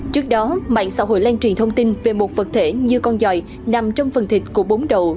trước đó mạng xã hội lan truyền thông tin về một vật thể như con dòi nằm trong phần thịt của bốn đầu